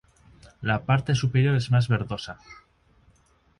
La parte superior es más verdosa.